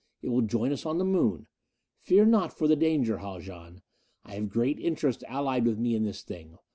It will join us on the Moon. Fear not for the danger, Haljan. I have great interests allied with me in this thing.